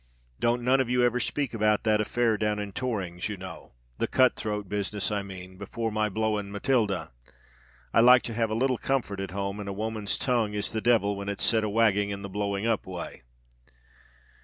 Don't none of you ever speak about that affair down at Torrings's, you know—the cut throat business, I mean—before my blowen, Matilda. I like to have a little comfort at home; and a woman's tongue is the devil, when it's set a wagging in the blowing up way."